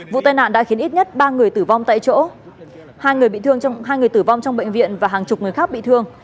vụ tai nạn đã khiến ít nhất ba người tử vong tại chỗ hai người tử vong trong bệnh viện và hàng chục người khác bị thương